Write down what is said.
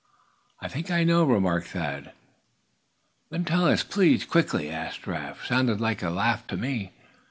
"I think I know," remarked Thad. "Then tell us, please," quickly asked Giraffe. "Sounded like a laugh to me."